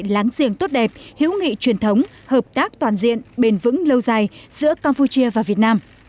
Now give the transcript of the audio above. láng giềng tốt đẹp hữu nghị truyền thống hợp tác toàn diện bền vững lâu dài giữa campuchia và việt nam